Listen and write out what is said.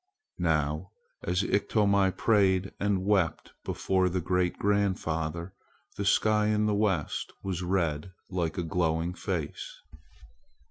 Now, as Iktomi prayed and wept before the great grandfather, the sky in the west was red like a glowing face.